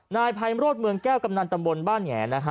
นายภัยโมโลธเมืองแก้วกำนันตำบลบ้านแหง